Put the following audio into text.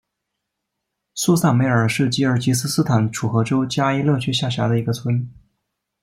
苏萨梅尔是吉尔吉斯斯坦楚河州加依勒区下辖的一个村。